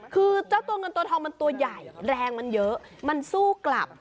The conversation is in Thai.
คือเจ้าตัวเงินตัวทองมันตัวใหญ่แรงมันเยอะมันสู้กลับ